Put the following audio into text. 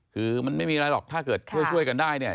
คือมันไม่มีอะไรหรอกถ้าเกิดช่วยกันได้เนี่ย